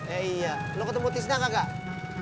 eh iya lo ketemu tisna kakak